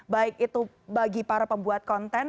baik itu bagi para pembuat konten